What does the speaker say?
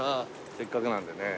せっかくなんでね。